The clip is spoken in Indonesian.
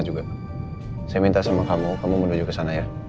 saya minta sama kamu kamu menuju ke sana ya